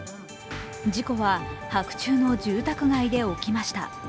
事故は白昼の住宅街で起きました。